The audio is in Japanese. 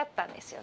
よ